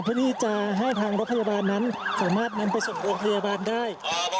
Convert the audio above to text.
เพื่อที่จะให้ทางรถพยาบาลนั้นสามารถนำไปส่งโรงพยาบาลได้